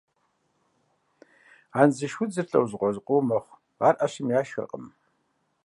Андзыш удзыр лӏэужьыгъуэ зыкъом мэхъу, ар ӏэщым яшхыркъым.